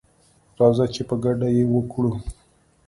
راځه چي په ګډه یې وکړو